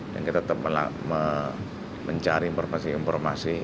kita tetap mencari informasi informasi